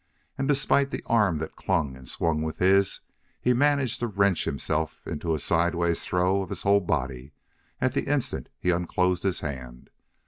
And, despite the arm that clung and swung with his, he managed to wrench himself into a sideways throw of his whole body at the instant he unclosed his hand.